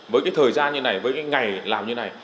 với cái thời gian như thế này với cái ngày làm như thế này